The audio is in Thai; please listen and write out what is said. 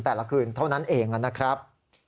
แต่ละคืนเท่านั้นเองนะครับ